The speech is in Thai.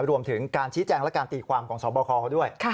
รวมถึงการชี้แจงและการตีความของสอบคอเขาด้วย